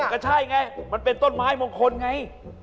ก็ใช่ไงมันเป็นต้นไม้มงคลไง